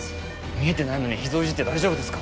見えてないのに脾臓いじって大丈夫ですか？